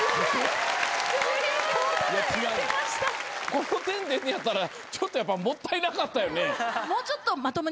この点出んのやったらちょっともったいなかったよね。